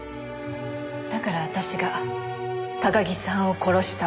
だから私が高木さんを殺した。